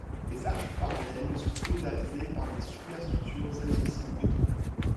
Les arches parallèles sont solidarisées par des superstructures elles aussi en béton.